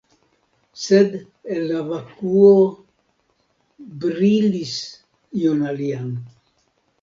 Sed, el la vakuo brilis ion alian.